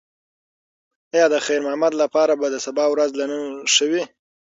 ایا د خیر محمد لپاره به د سبا ورځ له نن ښه وي؟